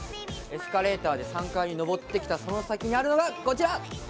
エスカレーターで３階を上ってきたその先にあるのが、こちら！